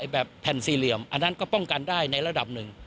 แผ่นสี่เหลี่ยมอันนั้นก็ป้องกันได้ในระดับหนึ่ง